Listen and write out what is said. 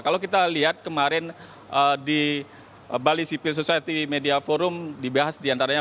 kalau kita lihat kemarin di bali civil society media forum dibahas diantaranya